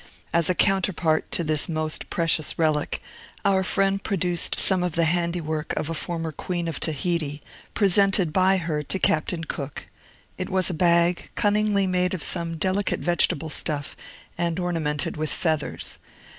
As a counterpart to this most precious relic, our friend produced some of the handiwork of a former Queen of Otaheite, presented by her to Captain Cook; it was a bag, cunningly made of some delicate vegetable stuff, and ornamented with feathers.